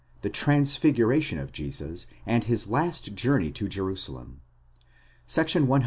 THE TRANSFIGURATION OF JESUS, AND HIS LAST JOURNEY TO JERUSALEM. § 105.